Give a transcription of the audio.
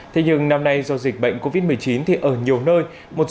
thế nhưng năm nay do dịch bệnh covid một mươi chín thì ở nhiều nơi